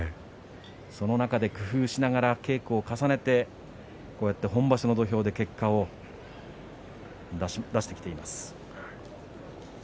その中で工夫しながら稽古を重ねてこうやって本場所の土俵で結果を出してきています。